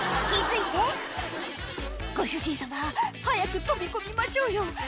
気付いて「ご主人様早く飛び込みましょうよ」